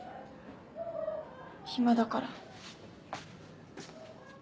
暇だから。